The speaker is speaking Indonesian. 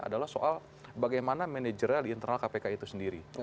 adalah soal bagaimana manajera di internal kpk itu sendiri